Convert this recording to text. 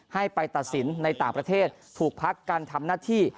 ให้ไปตัดสินในต่างประเทศถูกพักการทำหน้าที่